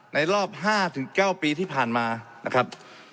รอบ๕๙ปีที่ผ่านมานะครับ